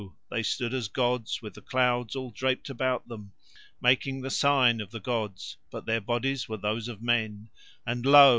they stood as gods with the clouds all draped about them, making the sign of the gods, but their bodies were those of men, and lo!